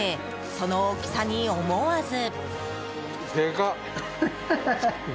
その大きさに、思わず。